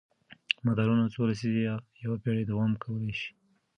مدارونه څو لسیزې یا یوه پېړۍ دوام کولی شي.